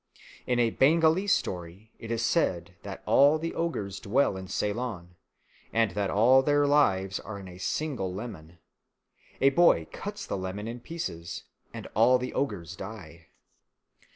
In a Bengalee story it is said that all the ogres dwell in Ceylon, and that all their lives are in a single lemon. A boy cuts the lemon in pieces, and all the ogres die.